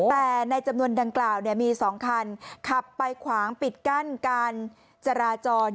แต่ในจำนวนดังกล่าวมี๒คันขับไปขวางปิดกั้นการจราจร